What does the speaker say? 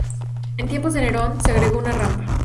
En tiempos de Nerón se agregó una rampa.